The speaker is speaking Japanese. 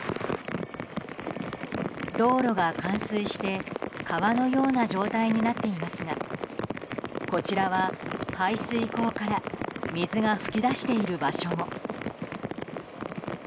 道路が冠水して川のような状態になっていますがこちらは排水溝から水が噴き出している場所も。